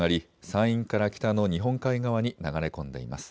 山陰から北の日本海側に流れ込んでいます。